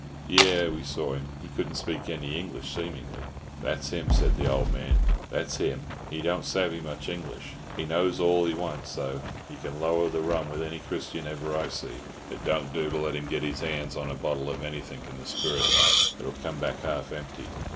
"Yes, we saw him. He couldn't speak any English, seemingly." "That's him," said the old man. "That's him! He don't savvy much English. He knows all he wants, though. He can lower the rum with any Christian ever I see. It don't do to let him get his hands on a bottle of anythink in the spirit line. It'll come back half empty.